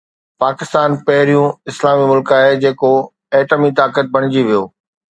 پاڪستان پهريون اسلامي ملڪ آهي جيڪو ايٽمي طاقت بڻجي ويو